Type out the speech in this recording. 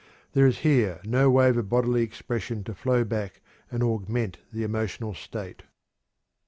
There is here no wave of bodily expression to flow back and augment the emotional state."